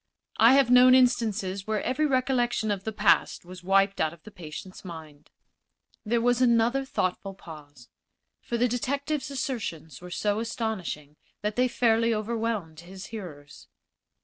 I have known instances where every recollection of the past was wiped out of the patient's mind." There was another thoughtful pause, for the detective's assertions were so astonishing that they fairly overwhelmed his hearers.